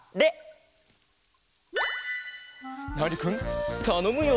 ナーニくんたのむよ。